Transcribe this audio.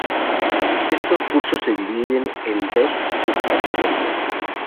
Estos cursos se dividen en dos subcategorías.